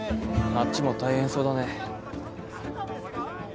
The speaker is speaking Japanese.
あっちも大変そうだね。